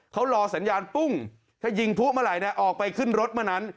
เขารอสัญญาณปุ้งถ้ายิงพุกมาลัยเนี่ยออกไปขึ้นรถมานั้น